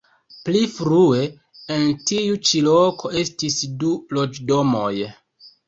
Pli frue en tiu ĉi loko estis du loĝdomoj.